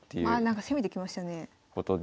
なんか攻めてきましたね。